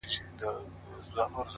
ځه پرېږده وخته نور به مي راويښ کړم -